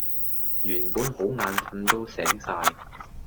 原本好眼瞓都醒晒